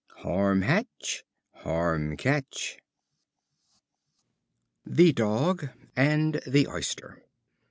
Harm hatch, harm catch. The Dog and the Oyster.